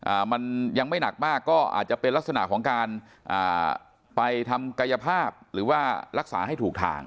อ่ามันยังไม่หนักมากก็อาจจะเป็นลักษณะของการอ่าไปทำกายภาพหรือว่ารักษาให้ถูกทาง